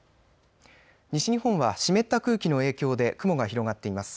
西日本は湿った空気の影響で雲が広がっています。